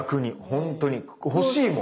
本当に欲しいもん！